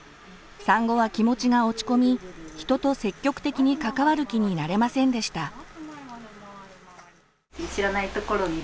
産後は気持ちが落ち込み人と積極的に関わる気になれませんでした。